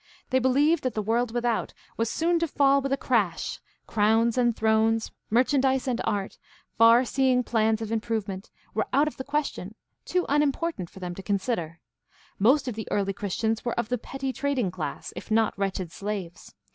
They believed that the world without was soon to fall with a crash; crowns and thrones, merchandise and art, far seeing CHRISTIANITY AND SOCIAL PROBLEMS 68 1 plans of improvement, were out of the question, too unimpor tant for them to consider. Most of the early Christians were of the petty trading class, if not wretched slaves.